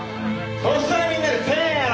「そしたらみんなでせーの」